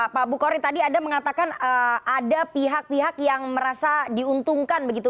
pak bukhari tadi anda mengatakan ada pihak pihak yang merasa diuntungkan begitu